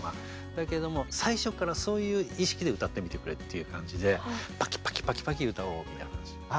だけども最初からそういう意識で歌ってみてくれっていう感じでパキパキパキパキ歌おうみたいな話をした。